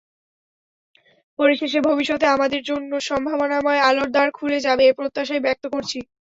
পরিশেষে ভবিষ্যতে আমাদের জন্য সম্ভাবনাময় আলোর দ্বার খুলে যাবে—এ প্রত্যাশাই ব্যক্ত করছি।